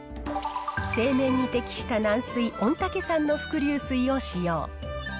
製麺に適した軟水、御嶽山の伏流水を使用。